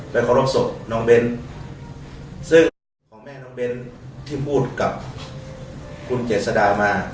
ไปขอรับศพน้องเบนซึ่งของแม่น้องเบนที่พูดกับคุณเจษฎามา